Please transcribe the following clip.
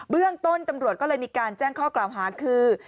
เรื่องต้นตำรวจก็เลยมีการแจ้งข้อกล่าวหาคือ